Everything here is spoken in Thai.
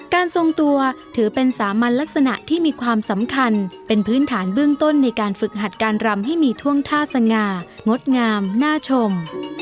ทรงตัวถือเป็นสามัญลักษณะที่มีความสำคัญเป็นพื้นฐานเบื้องต้นในการฝึกหัดการรำให้มีท่วงท่าสง่างดงามน่าชม